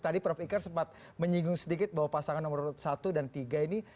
tadi prof iker sempat menyinggung sedikit bahwa pasangan nomor satu dan tiga ini